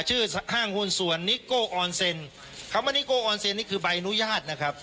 ห้างหุ้นส่วนนิโก้ออนเซ็นคำว่านิโก้ออนเซ็นนี่คือใบอนุญาตนะครับ